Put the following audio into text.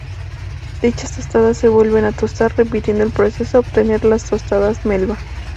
Dichas tostadas se vuelven a tostar, repitiendo el proceso hasta obtener las tostadas Melba.